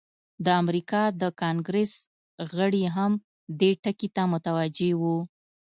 د امریکا د کانګریس غړي هم دې ټکي ته متوجه وو.